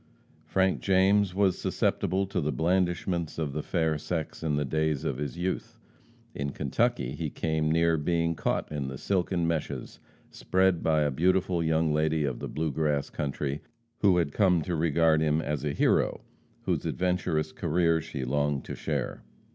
Frank James was susceptible to the blandishments of the fair sex in the days of his youth. In Kentucky, he came near being caught in the silken meshes spread by a beautiful young lady of the "Blue Grass" country, who had come to regard him as a hero, whose adventurous career she longed to share.